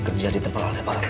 sisi rumah ini